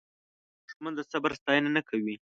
دښمن د صبر ستاینه نه کوي